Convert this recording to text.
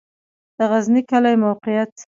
د غزنی کلی موقعیت